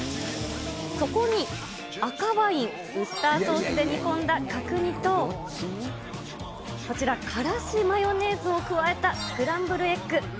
そこに赤ワイン、ウスターソースで煮込んだ角煮と、こちら、からしマヨネーズを加えたスクランブルエッグ。